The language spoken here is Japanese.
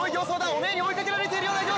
オネエに追いかけられているような形相！